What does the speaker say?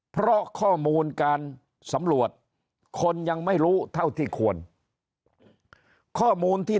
เพราะข้อมูลการสำรวจคนยังไม่รู้เท่าที่ควรข้อมูลที่